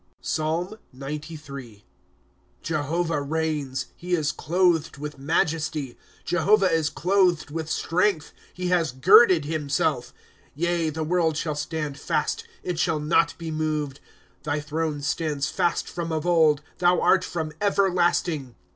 PSALM XCIII. ^ Jehovah reigns ; he is clothed with majesty. Jehovah is clothed with strength ; he has girded himself. Yea, the world shall stand fast, it shall not be moved. ^ Thy throne stands fast from of old ; Thou art from everlasting.